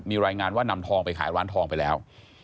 มีรายงานว่านำทองไปขายร้านทองไปแล้ว